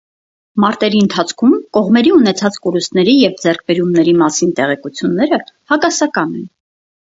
Մարտերի ընթացքում կողմերի ունեցած կորուստների և ձեռքբերումների մասին տեղեկությունները հակասական են։